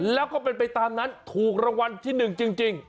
แล้วก็เป็นไปตามนั้นถูกรางวัลที่หนึ่งจริงจริง